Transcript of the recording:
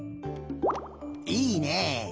いいね。